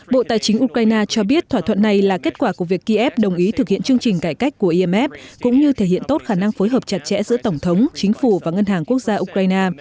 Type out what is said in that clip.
bộ tài chính ukraine cho biết thỏa thuận này là kết quả của việc kiev đồng ý thực hiện chương trình cải cách của imf cũng như thể hiện tốt khả năng phối hợp chặt chẽ giữa tổng thống chính phủ và ngân hàng quốc gia ukraine